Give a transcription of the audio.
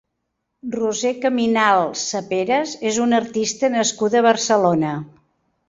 Roser Caminal Saperas és una artista nascuda a Barcelona.